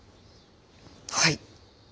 はい。